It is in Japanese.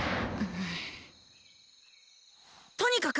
とにかく！